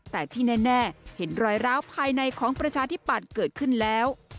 แต่ที่แน่เห็นรอยร้าวภายในของประชาธิปัตย์เกิดขึ้นแล้ว